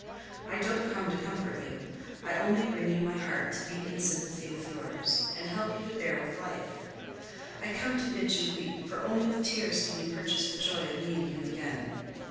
I don't come to comfort you; I only bring you my heart to beat in sympathy with yours, and help you to bear with life. I come to bid you weep, for only with tears can you purchase the joy of meeting him again.